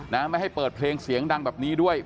ไม่ให้เปิดเพลงเสียงดังแบบนี้ด้วย